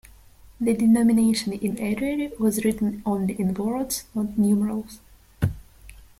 The denomination in ariary was written only in words, not numerals.